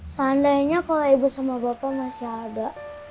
seandainya kalau ibu sama bapak masih ada